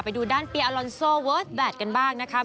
ไปดูด้านเปียอลอนโซเวิร์สแทดกันบ้างนะคะ